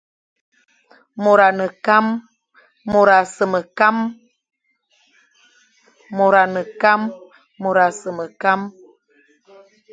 Môr a ne kam, môr a sem kam,